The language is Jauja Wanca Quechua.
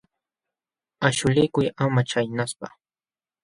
Aśhulikuy ama chaynaspa.